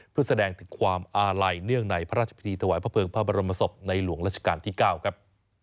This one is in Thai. เพื่อแสดงถึงความอาลัยเนื่องในพระราชพิธีถวายพระเภิงพระบรมศพในหลวงราชการที่๙ครับ